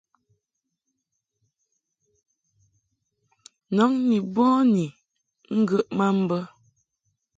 Nɔŋ ni bɔni ŋgəʼ ma mbə.